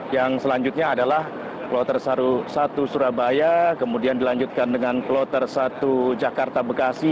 yang selanjutnya adalah kloter satu surabaya kemudian dilanjutkan dengan kloter satu jakarta bekasi